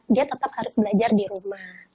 dia tetap harus belajar di rumah